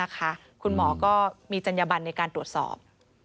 คุณหมอก็มีจัญญบันในการตรวจสอบ